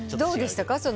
どうでしたか？